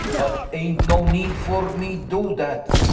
CHRIS But ain't no need for me do dat.